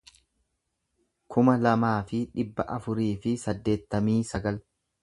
kuma lamaa fi dhibba afurii fi saddeettamii sagal